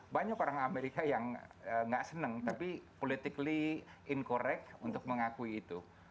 banyak orang amerika yang gak senang tapi politically incorrect untuk mengakui itu